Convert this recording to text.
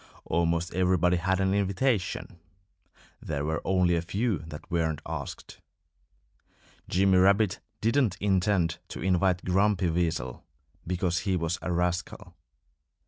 Almost everybody had an invitation. There were only a few that weren't asked. Jimmy Rabbit didn't intend to invite Grumpy Weasel because he was a rascal.